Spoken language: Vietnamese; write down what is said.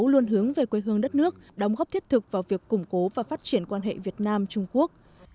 luôn hướng về quê hương đất nước đóng góp thiết thực vào việc củng cố và phát triển quan hệ việt nam trung quốc